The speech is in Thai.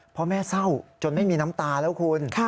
พ่อแม่เศร้าจนไม่มีน้ำตาแล้วคุณ